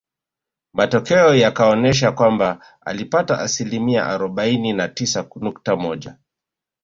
Matokeo yakaonesha kwamba alipata asilimia arobaini na tisa nukta moja